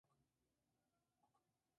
es usar un gestor de contraseñas